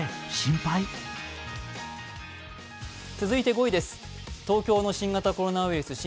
続いて５位、東京の新型コロナウイルス